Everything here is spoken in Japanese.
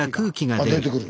あ出てくる。